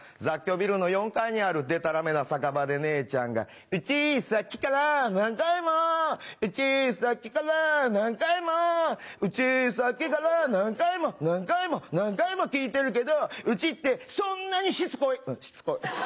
雑居ビルの４階にあるでたらめな酒場で姉ちゃんが「うちさっきから何回もうちさっきから何回もうちさっきから何回も何回も何回も聞いてるけどうちってそんなにしつこい？」。